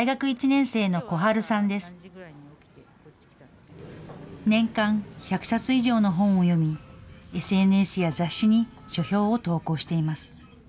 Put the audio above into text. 年間１００冊以上の本を読み、ＳＮＳや雑誌に書評を投稿しています。